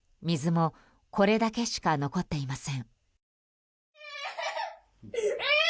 水もこれだけしか残っていません。